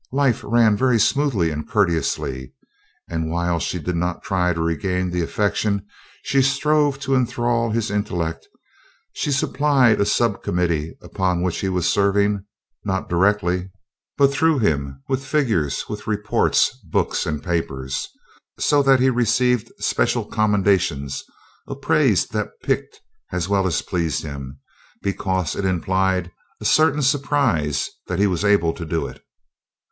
Life ran very smoothly and courteously; and while she did not try to regain the affection, she strove to enthrall his intellect. She supplied a sub committee upon which he was serving not directly, but through him with figures, with reports, books, and papers, so that he received special commendations; a praise that piqued as well as pleased him, because it implied a certain surprise that he was able to do it.